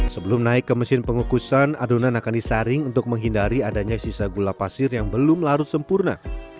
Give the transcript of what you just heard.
sebelum naik ke mesin pengukusan adonan akan disaring untuk menghindari adanya sisa gula pasir yang belum larut sempurna